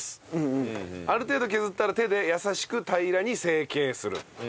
ある程度削ったら手で優しく平らに成形する。